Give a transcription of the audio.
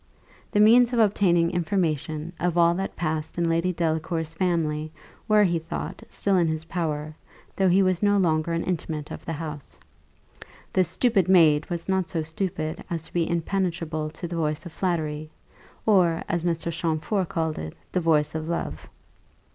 The means of obtaining information of all that passed in Lady Delacour's family were, he thought, still in his power, though he was no longer an inmate of the house. The stupid maid was not so stupid as to be impenetrable to the voice of flattery, or, as Mr. Champfort called it, the voice of love.